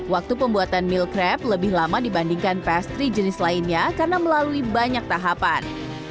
waktu pembuatan meal crab lebih lama dibandingkan pastry jenis lainnya karena melalui banyak tahapan